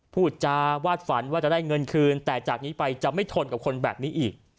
พูดจาวาดฝันว่าจะได้เงินคืนแต่จากนี้ไปจะไม่ทนกับคนแบบนี้อีก